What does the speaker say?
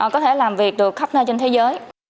có thể làm việc được khắp nơi trên thế giới